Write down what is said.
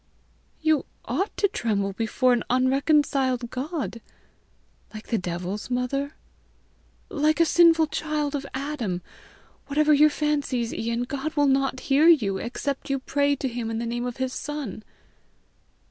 "You ought to tremble before an unreconciled God." "Like the devils, mother?" "Like a sinful child of Adam. Whatever your fancies, Ian, God will not hear you, except you pray to him in the name of his Son."